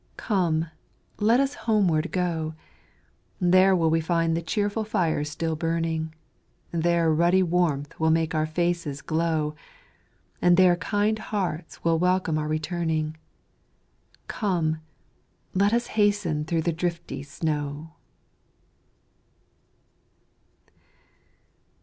Come, let us homeward go There will we find the cheerful fire still burning, There ruddy warmth will make our faces glow, And there kind hearts will welcome our returning; Come! let us hasten through the drifty snow.